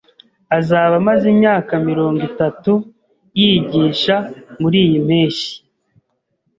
Azaba amaze imyaka mirongo itatu yigisha muriyi mpeshyi